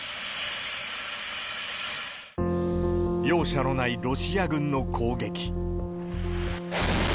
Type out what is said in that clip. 容赦のないロシア軍の攻撃。